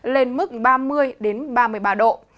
lên mức ba mươi đến ba mươi ba độ